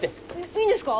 いいんですか？